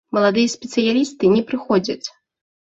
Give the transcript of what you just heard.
Маладыя спецыялісты не прыходзяць.